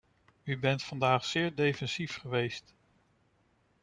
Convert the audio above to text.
U bent vandaag zeer defensief geweest.